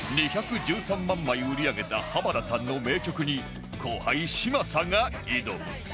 ２１３万枚売り上げた浜田さんの名曲に後輩嶋佐が挑む！